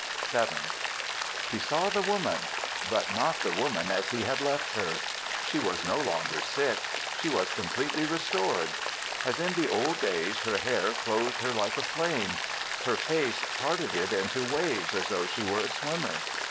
VII He saw the Woman but not the Woman as he had left her. She was no longer sick. She was completely restored. As in the old days her hair clothed her like a flame. Her face parted it into waves as though she were a swimmer.